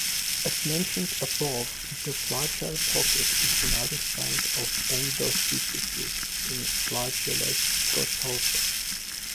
As mentioned above, the flagellar pocket is another site of endocytosis in flagellated protozoa.